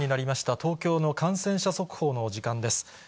東京の感染者速報の時間です。